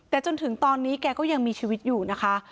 แต่จนถึงตอนนี้แกก็ยังมีชีวิตอยู่นะคะ